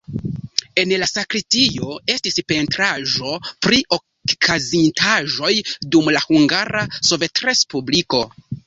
En la sakristio estis pentraĵo pri okazintaĵoj dum la Hungara Sovetrespubliko.